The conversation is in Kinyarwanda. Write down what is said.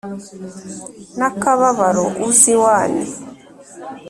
n'akababaro uzi wan